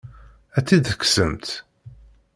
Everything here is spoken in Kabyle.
Ad tt-id-tekksemt?